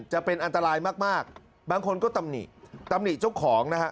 จะเป็นอันตรายมากบางคนก็ตำหนิตำหนิเจ้าของนะฮะ